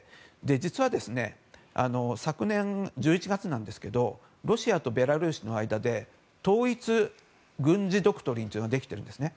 実は、昨年１１月なんですけどロシアとベラルーシの間で統一軍事ドクトリンというのができているんですね。